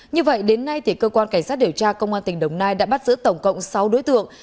như vậy đến nay cơ quan cảnh sát điều tra công an tỉnh đồng nai đã bắt giữ tổng cộng sáu đối tượng